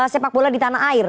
sepak bola di tanah air